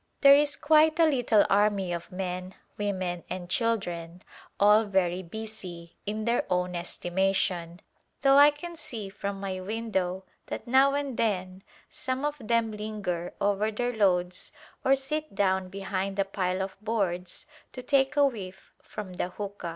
There is quite a little army of men, women and children, all very busy, in their own estimation, though I can see from my window that now and then some of them linger over their loads or sit down be hind a pile of boards to take a whifF from the huqqa.